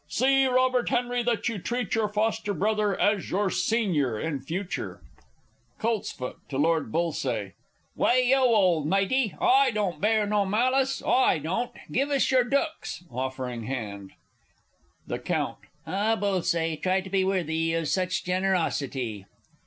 See, Robert Henry, that you treat your foster brother as your senior in future! Colts. (to Lord B.). Way oh, ole matey, I don't bear no malice, I don't! Give us your dooks. [Offering hand. The C. Ah, Bullsaye, try to be worthy of such generosity!